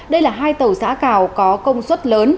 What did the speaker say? đây là hai tàu giã cào có công suất lớn